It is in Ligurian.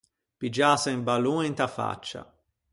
Piggiâse un ballon inta faccia.